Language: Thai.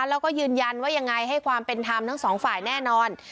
แล้วก็ยืนยันว่ายังไงให้ความเป็นธรรมทั้งสองฝ่ายแน่นอน